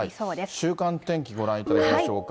週間天気、ご覧いただきましょうか。